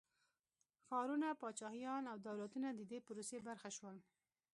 ښارونه، پاچاهيان او دولتونه د دې پروسې برخه شول.